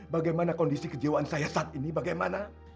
bagaimana kondisi kejiwaan saya saat ini bagaimana